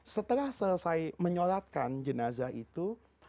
setelah selesai menyolatkan jenazah itu